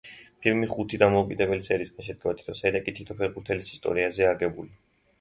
ფილმი ხუთი დამოუკიდებელი სერიისგან შედგება, თითო სერია კი თითო ფეხბურთელის ისტორიაზეა აგებული.